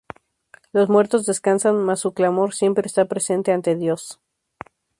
Los muertos descansan, mas su clamor siempre está presente ante Dios.